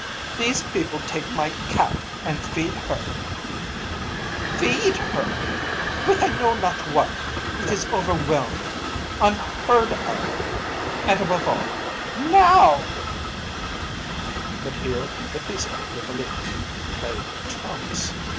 These people take my cat, and feed her feed her with I know not what! It is overwhelming, unheard of and, above all, now!" But here the peaceful Hippolyte played trumps.